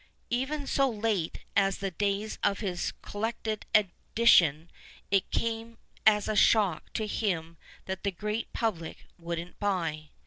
Even so late as the days of his Collected Edition it came as a shock to him that the great public wouldn't buy.